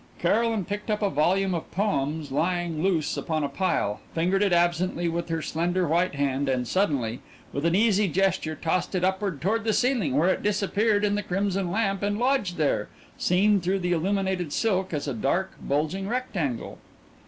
Caroline picked up a volume of poems lying loose upon a pile, fingered it absently with her slender white hand, and suddenly, with an easy gesture, tossed it upward toward the ceiling where it disappeared in the crimson lamp and lodged there, seen through the illuminated silk as a dark, bulging rectangle.